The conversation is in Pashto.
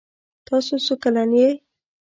تاسو څو کلن یې؟